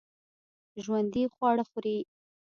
ژوندي خواړه خوري